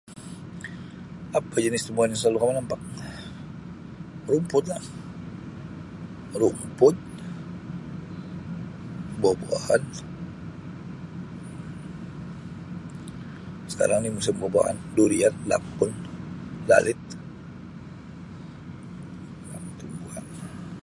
Apa jenis tumbuhan yang selalu kamu nampak? Rumput lah rumput buah-buahan sekarang ni musim buah-buahan durian lampun lalit dan tumbuhan lah.